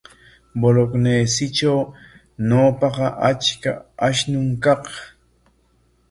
Bolegnesitraw ñawpaqa achka ashnum kaq.